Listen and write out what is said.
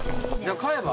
買えば？